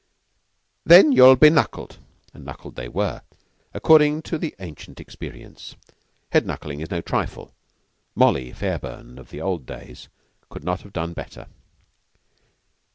"Then you'll be knuckled;" and knuckled they were, according to ancient experience. Head knuckling is no trifle; "Molly" Fairburn of the old days could not have done better.